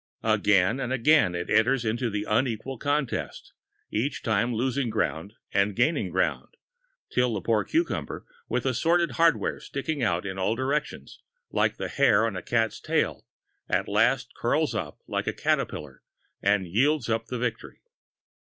Again and again it enters into the unequal contest, each time losing ground and gaining ground, till the poor cucumber, with assorted hardware sticking out in all directions, like the hair on a cat's tail, at last curls up like a caterpillar and yields up the victory.